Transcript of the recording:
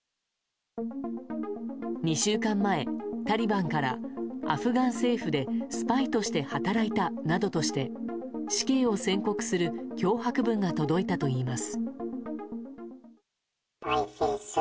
２週間前、タリバンからアフガン政府でスパイとして働いたなどとして死刑を宣告する脅迫文が届いたといいます。